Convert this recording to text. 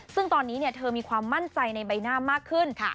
ซึ่งตอนนี้เธอมีความมั่นใจในใบหน้ามากขึ้น